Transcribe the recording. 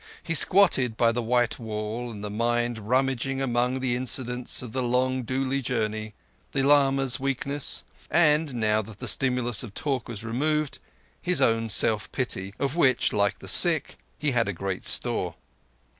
He squatted by the white wall, the mind rummaging among the incidents of the long dooli journey, the lama's weaknesses, and, now that the stimulus of talk was removed, his own self pity, of which, like the sick, he had great store.